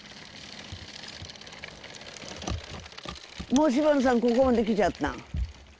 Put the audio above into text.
もうシバノさんここまで来ちゃったん